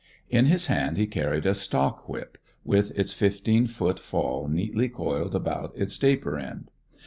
In his hand he carried a stock whip, with its fifteen foot fall neatly coiled about its taper end.